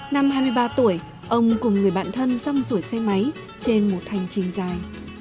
năm hai mươi ba tuổi ông cùng người bạn thân rong rủi xe máy trên một hành trình dài